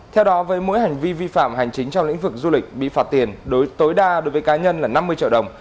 theo đó với mỗi hành vi vi phạm hành chính trong lĩnh vực du lịch bị phạt tiền đối tối đa đối với cá nhân là năm mươi triệu đồng